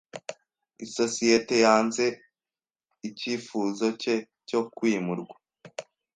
Isosiyete yanze icyifuzo cye cyo kwimurwa.